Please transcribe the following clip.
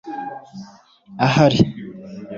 ahari